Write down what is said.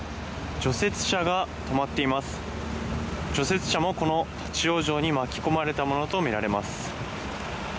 除雪車もこの立ち往生に巻き込まれたものとみられます。